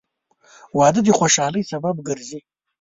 • واده د خوشحالۍ سبب ګرځي.